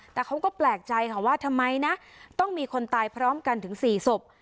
แต่เขาก็แปลกใจค่ะว่าทำไมนะต้องมีคนตายพร้อมกันถึง๔ศพ